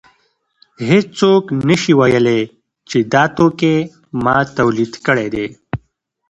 هېڅوک نشي ویلی چې دا توکی ما تولید کړی دی